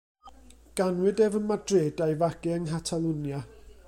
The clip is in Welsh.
Ganwyd ef ym Madrid a'i fagu yng Nghatalwnia.